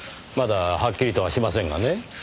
まだはっきりとはしませんがね。